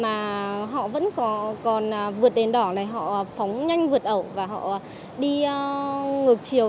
mà họ vẫn còn vượt đèn đỏ này họ phóng nhanh vượt ẩu và họ đi ngược chiều